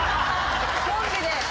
コンビで！